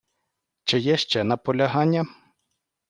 Чи є ще наполягання?